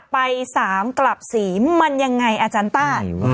ไป๓กลับสีมันยังไงอาจารย์ต้า